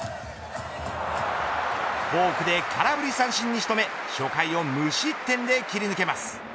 フォークで空振り三振に仕留め初回を無失点で切り抜けます。